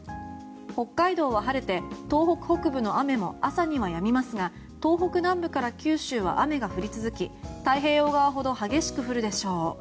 北海道は晴れて東北北部の雨も朝にはやみますが東北南部から九州は雨が降り続き、太平洋側ほど激しく降るでしょう。